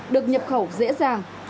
được nhập khẩu dễ dàng